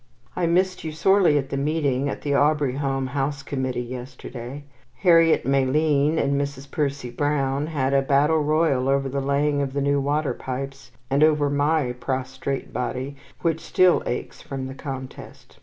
I missed you sorely at the meeting of the Aubrey Home house committee yesterday. Harriet Maline and Mrs. Percy Brown had a battle royal over the laying of the new water pipes, and over my prostrate body, which still aches from the contest.